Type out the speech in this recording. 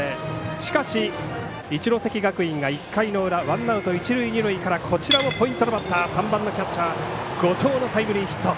しかし、一関学院が１回の裏ワンアウト一塁二塁からこちらもポイントのバッターキャッチャー後藤のタイムリーヒット。